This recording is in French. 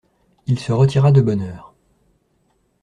Il se retira de bonne heure.